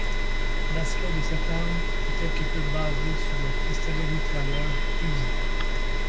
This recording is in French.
L'aspect de cette arme est quelque peu basé sur le pistolet-mitrailleur Uzi.